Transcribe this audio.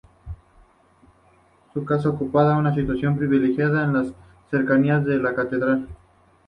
La casa ocupaba una situación privilegiada, en las cercanías de la Catedral.